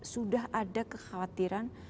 sudah ada kekhawatiran